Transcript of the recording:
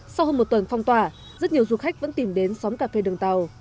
sau hơn một tuần phong tỏa rất nhiều du khách vẫn tìm đến xóm cà phê đường tàu